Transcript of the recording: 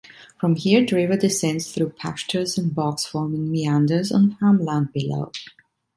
From here the river descends through pastures and bogs forming meanders on farmland below.